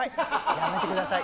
やめてください。